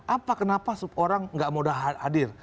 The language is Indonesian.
apa kenapa orang tidak mau hadir